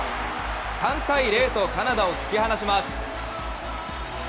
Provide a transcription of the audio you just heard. ３対０とカナダを突き放します。